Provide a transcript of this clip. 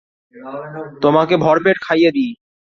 তোমাকে ভরপেট খাইয়ে দিই।